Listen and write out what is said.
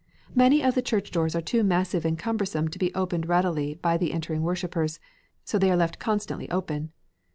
Many of the church doors are too massive and cumbersome to be opened readily by the entering worshippers, so they are left constantly open.